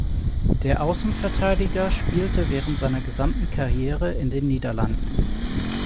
Der Außenverteidiger spielte während seiner gesamten Karriere in den Niederlanden.